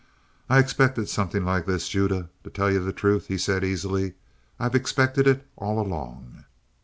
"I expected something like this, Judah, to tell you the truth," he said, easily. "I've expected it all along.